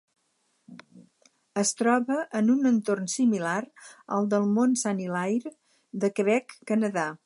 Es troba en un entorn similar al del Mont Saint-Hilaire, Quebec, Canadà.